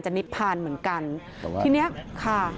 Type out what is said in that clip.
จะนิบพลาดเหมือนกันที่นี้ค่ะ